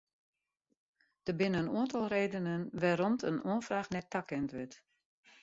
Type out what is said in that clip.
Der binne in oantal redenen wêrom't in oanfraach net takend wurdt.